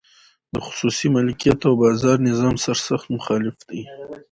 د خصوصي مالکیت او بازار نظام سرسخت مخالف دی.